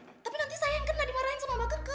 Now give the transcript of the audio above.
tapi nanti saya yang kena dimarahin sama mbak keke